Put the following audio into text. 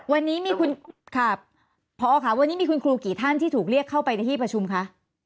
วันนี้มีคุณค่ะพอค่ะวันนี้มีคุณครูกี่ท่านที่ถูกเรียกเข้าไปในที่ประชุมคะ